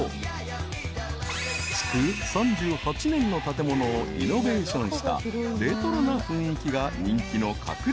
［築３８年の建物をリノベーションしたレトロな雰囲気が人気の隠れ家カフェ］